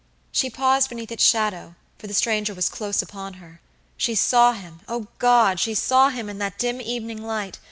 She paused beneath its shadow, for the stranger was close upon her. She saw him, oh, God! she saw him in that dim evening light.